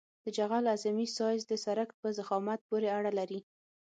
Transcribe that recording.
د جغل اعظمي سایز د سرک په ضخامت پورې اړه لري